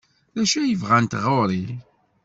D acu ay bɣant ɣer-i?